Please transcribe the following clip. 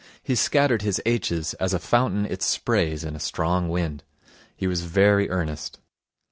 He scattered his aitches as a fountain its sprays in a strong wind. He was very earnest.